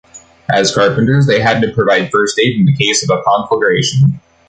As carpenters, they had to provide first aid in the case of a conflagration.